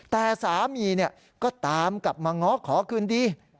แต่สามีก็ตามกลับมาง้อขอคืนดี